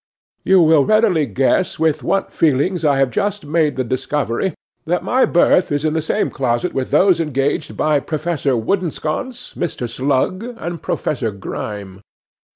'You will readily guess with what feelings I have just made the discovery that my berth is in the same closet with those engaged by Professor Woodensconce, Mr. Slug, and Professor Grime.